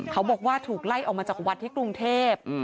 เขาบอกว่าถูกไล่ออกมาจากวัดที่กรุงเทพ